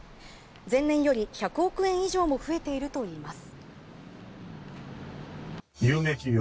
前年より１００億円以上も増えているといいます。